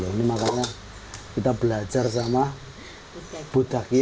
ini makanya kita belajar sama butak ya